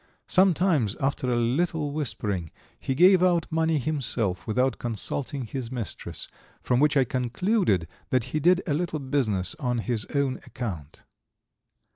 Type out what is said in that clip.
Sometimes, after a little whispering, he gave out money himself, without consulting his mistress, from which I concluded that he did a little business on his own account.